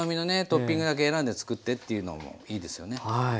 トッピングだけ選んで作ってっていうのもいいですよね。